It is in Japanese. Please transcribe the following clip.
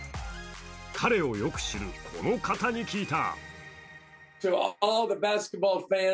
彼をよく知るこの方に聞いた。